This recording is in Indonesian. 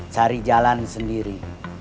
cari jalan sendiri